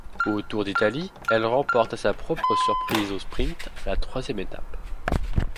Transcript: Au Tour d'Italie, elle remporte à sa propre surprise au sprint la troisième étape.